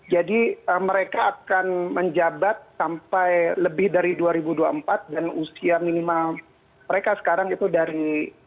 jadi mereka akan menjabat sampai lebih dari dua ribu dua puluh empat dan usia minimal mereka sekarang itu dari